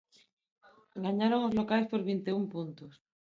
Gañaron os locais por vinte e un puntos.